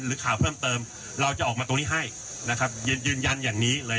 ข่าวเพิ่มเติมเราจะออกมาตรงนี้ให้นะครับยืนยันอย่างนี้เลย